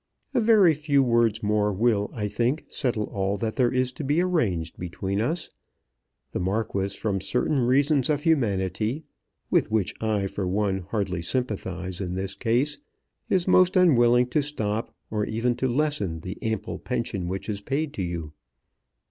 "A very few words more will, I think, settle all that there is to be arranged between us. The Marquis, from certain reasons of humanity, with which I for one hardly sympathize in this case, is most unwilling to stop, or even to lessen, the ample pension which is paid to you."